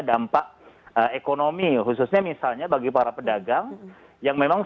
dampak ekonomi khususnya misalnya bagi para pedagang yang memang